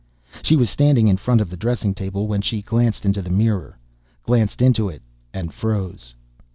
She was standing in front of the dressing table when she glanced into the mirror glanced into it and froze.